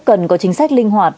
cần có chính sách linh hoạt